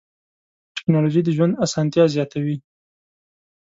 ټکنالوجي د ژوند اسانتیا زیاتوي.